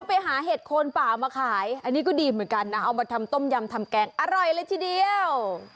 ไปหาเห็ดโคนป่ามาขายอันนี้ก็ดีเหมือนกันนะเอามาทำต้มยำทำแกงอร่อยเลยทีเดียว